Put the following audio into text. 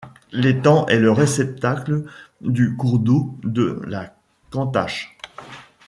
L'étang est le réceptacle du cours d’eau de la Cantache.